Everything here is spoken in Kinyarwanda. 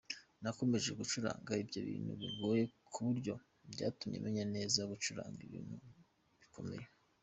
Nakomeje gucuranga ibyo bintu bigoye ku buryo byatumye menya neza gucuranga ibintu bikomeye.